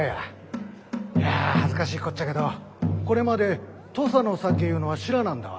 いや恥ずかしいこっちゃけどこれまで土佐の酒いうのは知らなんだわ。